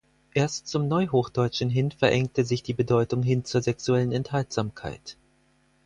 Erst zum Neuhochdeutschen hin verengte sich die Bedeutung hin zur sexuellen Enthaltsamkeit.